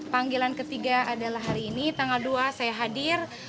panggilan ketiga adalah hari ini tanggal dua saya hadir